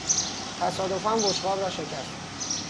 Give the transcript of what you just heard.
تصادفا بشقاب را شکست.